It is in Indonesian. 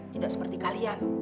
tidak seperti kalian